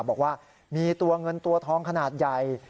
บอกว่ามีตัวเงินตัวทองขนาดใหญ่